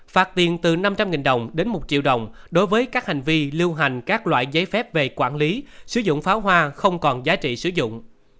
phạt tiền từ năm trăm linh đồng đến một triệu đồng đối với các hành vi lưu hành các loại giấy phép về quản lý sử dụng pháo hoa không còn giá trị sử dụng